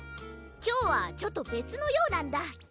きょうはちょっとべつのようなんだ。